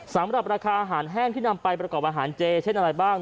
สำหรับราคาอาหารแห้งที่นำไปประกอบอาหารเจเช่นอะไรบ้าง